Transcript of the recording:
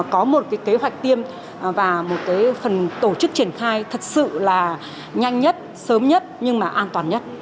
có một cái kế hoạch tiêm và một cái phần tổ chức triển khai thật sự là nhanh nhất sớm nhất nhưng mà an toàn nhất